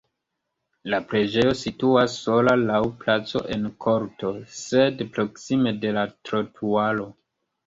La preĝejo situas sola laŭ placo en korto, sed proksime de la trotuaro.